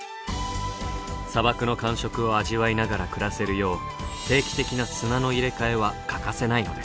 砂漠の感触を味わいながら暮らせるよう定期的な砂の入れ替えは欠かせないのです。